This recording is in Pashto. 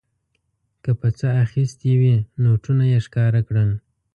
که په څه اخیستې وې نوټونه یې ښکاره کول.